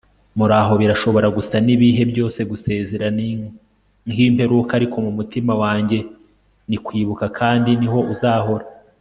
muraho birashobora gusa n'ibihe byose gusezera ni nk'imperuka, ariko mu mutima wanjye ni kwibuka kandi niho uzahora